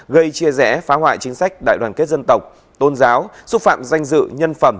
gây chia rẽ phá hoại chính sách đại đoàn kết dân tộc tôn giáo xúc phạm danh dự nhân phẩm